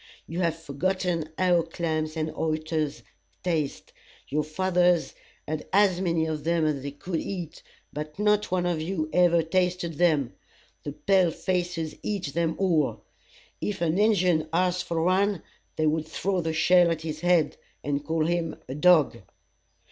You have forgotten how clams and oysters taste. Your fathers had as many of them as they could eat; but not one of you ever tasted them. The pale faces eat them all. If an Injun asked for one, they would throw the shell at his head, and call him a dog.